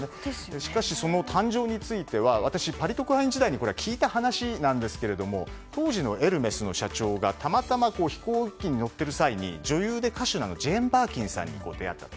しかし、その誕生について私がパリ特派員時代に聞いた話なんですが当時のエルメスの社長がたまたま飛行機に乗ってる際に女優で歌手のジェーン・バーキンさんに出会ったと。